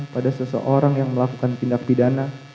pada seseorang yang melakukan tindak pidana